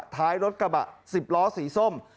ท้ายรถกระบะ๑๐ล้อสีส้ม